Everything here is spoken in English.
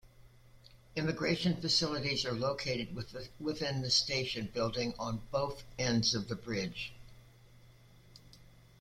Immigration facilities are located within the station building on both ends of the bridge.